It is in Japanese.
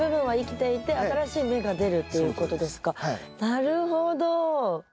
なるほど！